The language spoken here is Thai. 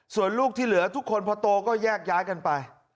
ส่วนลูกที่เหลือทุกคนพอโตก็แยกย้ายกันไป